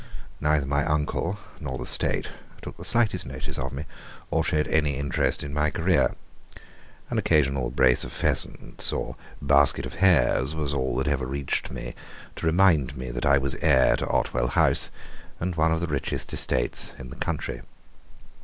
Neither my uncle nor the State took the slightest notice of me, or showed any interest in my career. An occasional brace of pheasants, or basket of hares, was all that ever reached me to remind me that I was heir to Otwell House and one of the richest estates in the country.